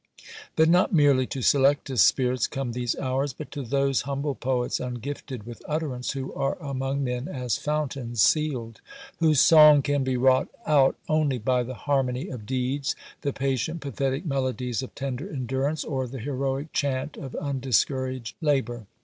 But not merely to selectest spirits come these hours, but to those (humble poets) ungifted with utterance, who are among men as fountains sealed; whose song can be wrought out only by the harmony of deeds; the patient, pathetic melodies of tender endurance, or the heroic chant of undiscouraged labour.